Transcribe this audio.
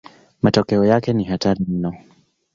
Matokeo yake ni hatari mno.